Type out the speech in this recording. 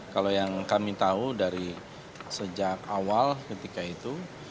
kalau yang kami tahu dari sejak awal ketika itu